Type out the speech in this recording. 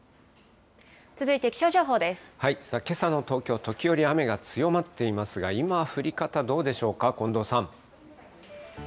けさの東京、時折雨が強まっていますが、今、降り方どうでしょうか、近藤さん。